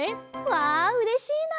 わあうれしいなあ！